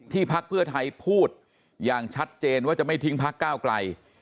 พักเพื่อไทยพูดอย่างชัดเจนว่าจะไม่ทิ้งพักก้าวไกล